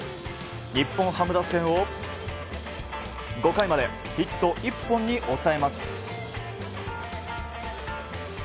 日本ハム打線を５回までヒット１本に抑えます。